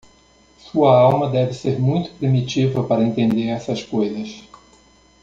Sua alma deve ser muito primitiva para entender essas coisas.